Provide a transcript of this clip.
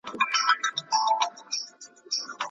سالم ذهن له خپګان سره ښه مقابله کوي.